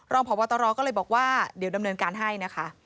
รองพบตรก็เลยบอกว่าเดี๋ยวดำเนินการให้นะคะ